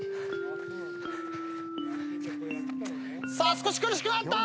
少し苦しくなった！